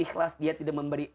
ikhlas dia tidak memberi